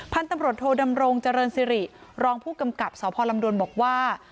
พันธุ์ตำรวจโทดำรงเจริญสิริรองผู้กำกับสพลำดวนบอกว่า